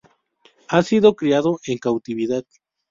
Ha sido criado en cautividad.